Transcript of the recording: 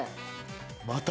また。